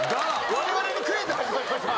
我々にクイズ始まりました。